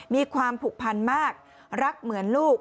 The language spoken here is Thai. มีความผูกพันมากรักเหมือนลูก